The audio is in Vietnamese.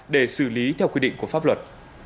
để xử lý theo quy định của pháp luật